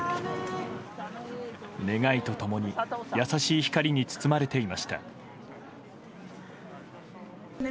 願いと共に優しい光に包まれていました。